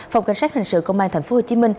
phòng cảnh sát hành sự công an tp hcm